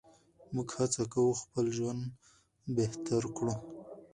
موږ هڅه کوو خپل ژوند بهتر کړو.